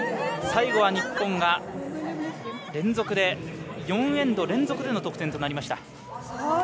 最後は日本が４エンド連続での得点となりました。